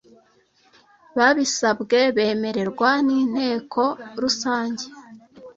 babisabwe bemerwa n inteko rusange